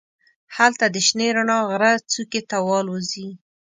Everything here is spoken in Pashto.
هلته د شنې رڼا غره څوکې ته والوزي.